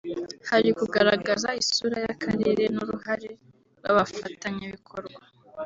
hari kugaragaza isura y’akarere n’uruhare rw’abafatanyabikorwa